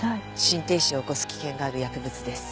心停止を起こす危険がある薬物です。